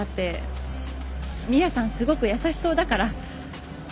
すごく優しそうだから。